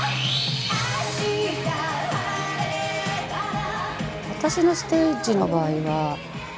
「明日晴れたら」